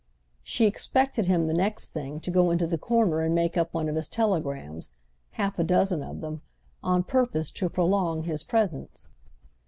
She expected him, the next thing, to go into the corner and make up one of his telegrams—half a dozen of them—on purpose to prolong his presence.